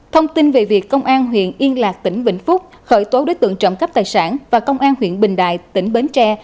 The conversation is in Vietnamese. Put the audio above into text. thông tin về việc công an huyện yên lạc tỉnh vĩnh phúc khởi tố đối tượng trộm cắp tài sản và công an huyện bình đại tỉnh bến tre